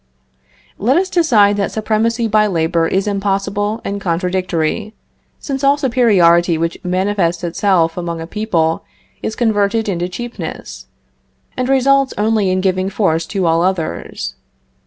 Let us decide that supremacy by labor is impossible and contradictory, since all superiority which manifests itself among a people is converted into cheapness, and results only in giving force to all others.